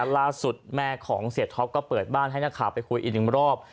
ล่าสุดแม่ของเสียท็อปก็เปิดบ้านให้นักข่าวไปคุยอีกหนึ่งรอบ